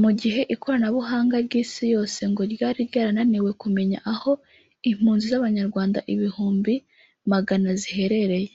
Mu gihe ikoranabuhanga ry’isi yose ngo ryari ryananiwe kumenya aho impunzi z’abanyarwanda ibihumbi magana ziherereye